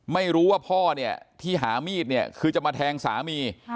ไม่รู้ว่าพ่อเนี่ยที่หามีดเนี่ยคือจะมาแทงสามี